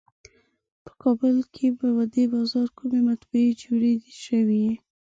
په کابل کې په دې وخت کومې مطبعې جوړې شوې.